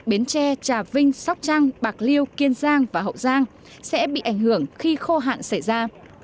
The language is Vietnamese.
bến tre trà vinh sóc trăng bạc liêu kiên giang và hậu giang sẽ bị ảnh hưởng khi khô hạn xảy ra